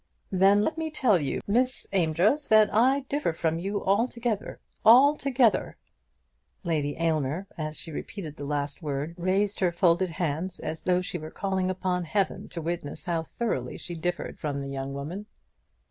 "Then let me tell you, Miss Amedroz, that I differ from you altogether, altogether." Lady Aylmer, as she repeated the last word, raised her folded hands as though she were calling upon heaven to witness how thoroughly she differed from the young woman!